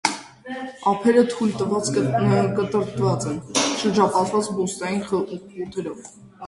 Ափերը թույլ կտրտված են՝ շրջապատված բուստային խութերով։